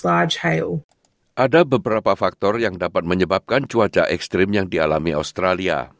australia adalah negara yang besar yang menyebabkan cuaca ekstrim yang dialami di australia